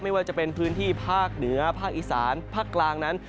ไม่ว่าจะเป็นพื้นที่ภาคเหนือภาคอีสานภาคกลางนั้น